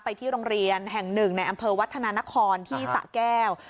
ที่โรงเรียนแห่งหนึ่งในอำเภอวัฒนานครที่สะแก้ว